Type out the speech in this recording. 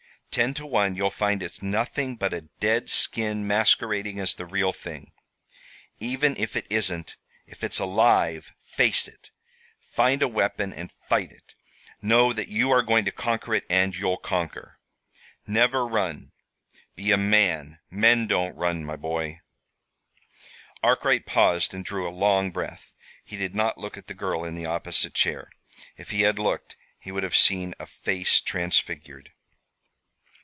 Ten to one you'll find it's nothing but a dead skin masquerading as the real thing. Even if it isn't if it's alive face it. Find a weapon and fight it. Know that you are going to conquer it and you'll conquer. Never run. Be a man. Men don't run, my boy!'" Arkwright paused, and drew a long breath. He did not look at the girl in the opposite chair. If he had looked he would have seen a face transfigured.